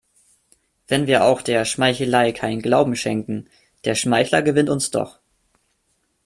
Wenn wir auch der Schmeichelei keinen Glauben schenken, der Schmeichler gewinnt uns doch.